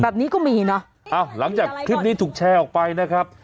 แบบนี้ก็มีนะอ้าวหลังจากคลิปนี้ถูกแชร์ออกไปนะครับ